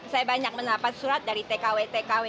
saya banyak mendapat surat dari tkw tkw